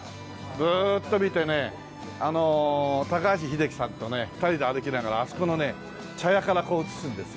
ずーっと見てねあの高橋英樹さんとね２人で歩きながらあそこのね茶屋からこう映すんですよ。